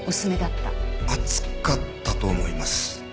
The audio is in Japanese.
厚かったと思います。